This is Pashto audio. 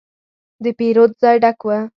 د پیرود ځای ډک و.